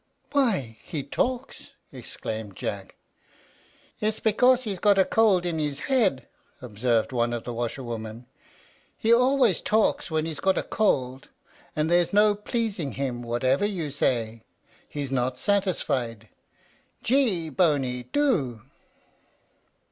"Why, he talks!" exclaimed Jack. "It's because he's got a cold in his head," observed one of the washer women; "he always talks when he's got a cold, and there's no pleasing him; whatever you say, he's not satisfied. Gee, Boney, do!"